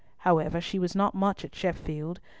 However, she was not much at Sheffield.